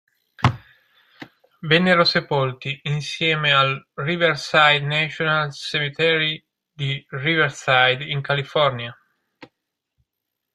Vennero sepolti insieme al Riverside National Cemetery di Riverside, in California.